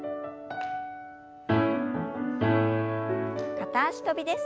片脚跳びです。